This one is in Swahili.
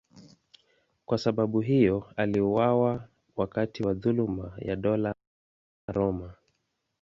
Kwa sababu hiyo aliuawa wakati wa dhuluma ya Dola la Roma.